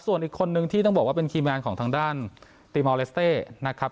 ส่วนอีกคนนึงที่ต้องบอกว่าเป็นครีมงานของทางด้านนะครับ